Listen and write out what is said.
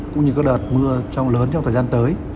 cũng như các đợt mưa trong lớn trong thời gian tới